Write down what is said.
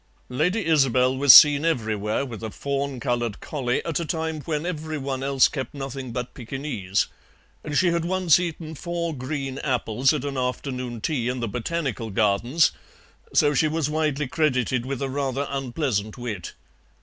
Lady Isobel was seen everywhere with a fawn coloured collie at a time when every one else kept nothing but Pekinese, and she had once eaten four green apples at an afternoon tea in the Botanical Gardens, so she was widely credited with a rather unpleasant wit.